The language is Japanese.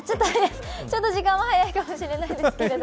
ちょっと時間は早いかもしれないですけど。